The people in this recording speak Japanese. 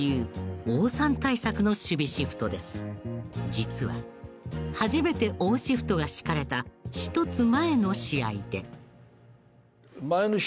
実は初めて王シフトが敷かれた１つ前の試合で。